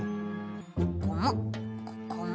ここもここも。